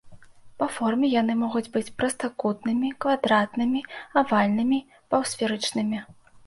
Па форме яны могуць быць прастакутнымі, квадратнымі, авальнымі, паўсферычнымі.